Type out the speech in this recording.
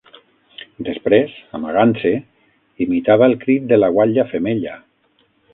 Després, amagant-se, imitava el crit de la guatlla femella